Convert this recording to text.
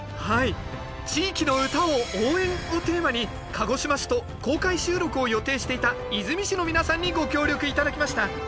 はい「地域の唄を応援！」をテーマに鹿児島市と公開収録を予定していた出水市の皆さんにご協力頂きました。